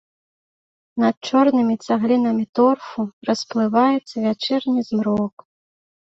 Над чорнымі цаглінамі торфу расплываецца вячэрні змрок.